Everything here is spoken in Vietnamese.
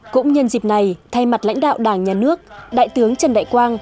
cũng nhân dịp này thay mặt lãnh đạo đảng nhà nước đại tướng trần đại quang